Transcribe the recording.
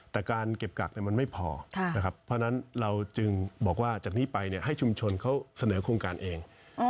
แต่การเก็บกักมันไม่พอนะครับเพราะฉะนั้นเราจึงบอกว่าจากนี้ไปให้ชุมชนเขาเสนอโครงการเอง